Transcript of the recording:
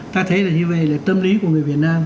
ta thấy là như vậy là tâm lý của người việt nam